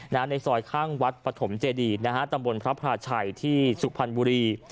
ในซอยข้างวัดปฐมเจดีนะฮะตำบลพระพลาชัยที่สุพรรณบุรี